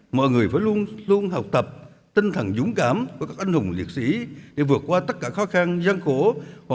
mọi người phải luôn học tập tinh thần dũng cảm của các anh hùng liệt sĩ để vượt qua tất cả khó khăn gian khổ